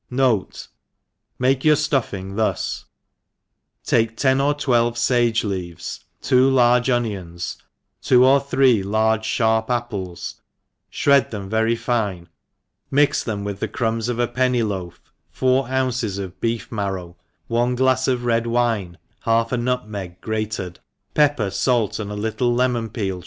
— iV. B. Make your ftu^ng thus, take ten or twelve fage leaves, two large onions, two or three large (harp appjes, fhred them very fine^ mix them with the crumbs of a penny loaf, four ounces of beef marrow, one glafs of red wincy half a nutmeg grated, pepper, fait, and a little kmon peel